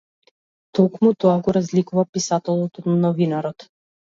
Токму тоа го разликува писателот од новинарот.